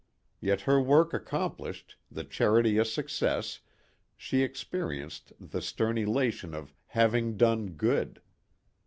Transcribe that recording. Yet her work accomplished, the charity a success, she experienced the stern elation of "having done good."